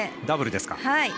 ダブルですか。